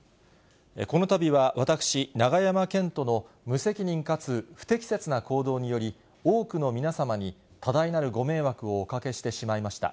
このたびは私、永山絢斗の無責任かつ不適切な行動により、多くの皆様に多大なるご迷惑をおかけしてしまいました。